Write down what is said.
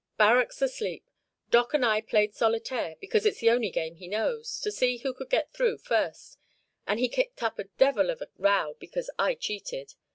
Barracks asleep. Doc and I played solitaire, because it's the only game he knows to see who could get through first, and he kicked up a devil of a row because I cheated.